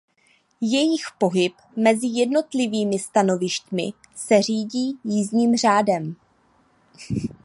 Jejich pohyb mezi jednotlivými stanovišti se řídí jízdním řádem.